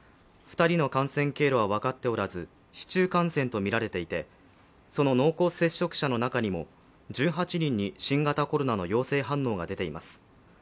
２人の感染経路は分かっておらず、市中感染とみられていて、その濃厚接触者の中にも１８人に新型コロナの陽性反応が出ています。